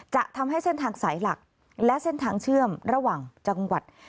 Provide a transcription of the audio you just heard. จะทำให้เส้นทางสายหลักและเส้นทางเชื่อมระหว่างจังหวัด